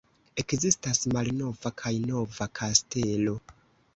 Ekzistas Malnova kaj Nova kastelo.